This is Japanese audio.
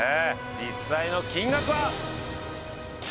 実際の金額は？